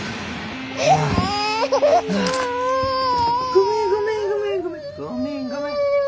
ごめんごめんごめんごめん。